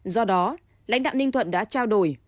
do đó lãnh đạo ninh thuận đã trao đổi